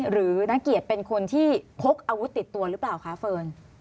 หรือนักเกียรติเป็นคนที่พกอาวุธติดตัวหรือเปล่าคะเฟิร์น